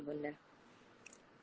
betul sekali bunda